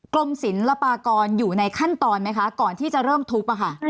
กรมศิลปากรอยู่ในขั้นตอนไหมคะก่อนที่จะเริ่มทุบ